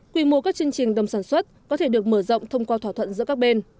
quy mô các chương trình đồng sản xuất có thể được mở rộng thông qua thỏa thuận giữa các bên